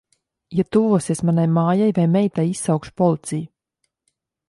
Ja tuvosies manai mājai vai meitai, izsaukšu policiju.